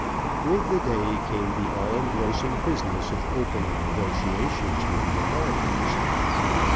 With the day came the all engrossing business of opening negotiations with the authorities.